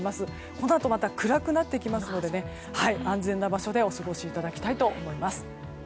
このあとまた暗くなってきますので安全な場所でお過ごしいただきたいと思います。